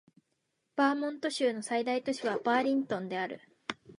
バーモント州の最大都市はバーリントンである